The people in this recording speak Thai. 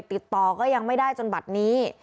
ติดต่อก็ยังไม่ได้จนบัตรนี้